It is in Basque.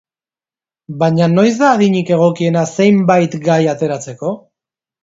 Baina, noiz da adinik egokiena zenbait gai ateratzeko?